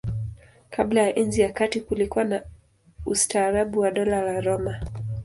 Kabla ya Enzi ya Kati kulikuwa na ustaarabu wa Dola la Roma.